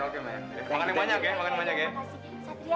makan yang banyak ya makan yang banyak ya